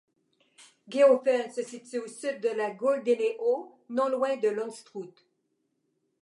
Gehofen se situe au sud de la Goldene Aue, non loin de l'Unstrut.